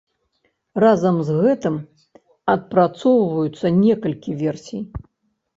Разам з гэтым адпрацоўваюцца некалькі версій.